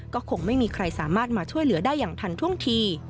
ก็คงไม่มีใครสามารถมาช่วยเหลือได้อย่างทันท่วงที